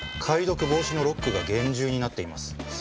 解読防止のロックが厳重になっています。